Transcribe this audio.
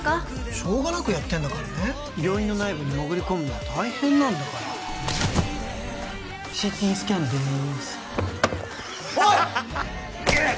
しょうがなくやってんだからね病院の内部に潜り込むのは大変なんだからＣＴスキャンですハッハハハハハグッ！